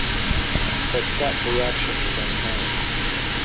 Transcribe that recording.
But Scott's reaction was unkind.